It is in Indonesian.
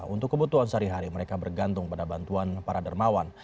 untuk kebutuhan sehari hari mereka bergantung pada bantuan para dermawan